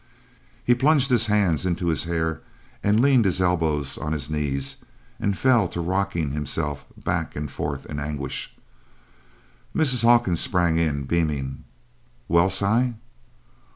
He plunged his hands into his hair and leaned his elbows on his knees, and fell to rocking himself back and forth in anguish. Mrs. Hawkins sprang in, beaming: "Well, Si?"